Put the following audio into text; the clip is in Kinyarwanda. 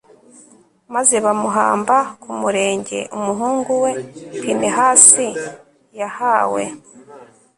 maze bamuhamba ku murenge umuhungu we pinehasi yahawe